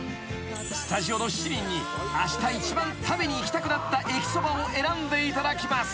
［スタジオの７人にあした一番食べに行きたくなった駅そばを選んでいただきます］